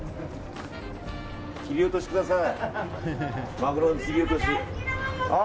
切り落としください。